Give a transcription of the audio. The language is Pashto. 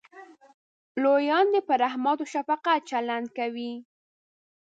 لویان دې په رحمت او شفقت چلند کوي.